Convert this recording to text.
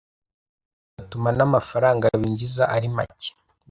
bigatuma n’amafaranga binjiza ari make